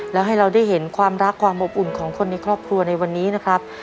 แล้วให้เราได้เห็นความรักความอบอุ่นของคนในครอบครัวในวันนี้นะครับ